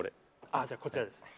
じゃあ、こちらですね。